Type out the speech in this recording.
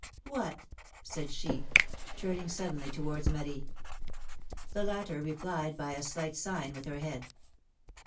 What?^^ said she, turning suddenly towards Marie. The latter replied by a slight sign with her head.